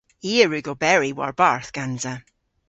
I a wrug oberi war-barth gansa.